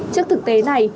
trước thực tế này